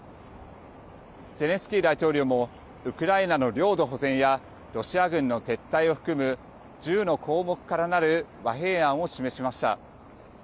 ゼレンスキー大統領もウクライナの領土保全やロシア軍の撤退を含む１０の項目からなる和平案を示しました。